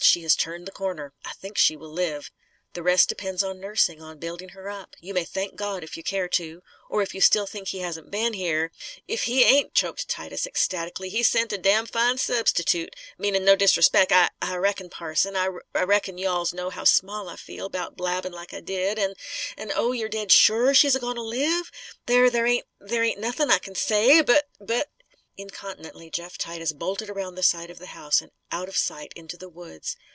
She has turned the corner. I think she will live. The rest depends on nursing on building her up. You may thank God, if you care to. Or if you still think He hasn't been here " "If He ain't," choked Titus ecstatically, "He sent a damn' fine substitoot: meanin' no disrespec'. I I reckon, parson I reckon you all knows how small I feel; 'bout blabbin' like I did. An' an' Oh, you're dead sure she's a goin' to live? There there ain't there ain't nothing I c'n say! But but " Incontinently Jeff Titus bolted around the side of the house and out of sight into the woods.